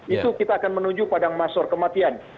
itu kita akan menuju padang masor kematian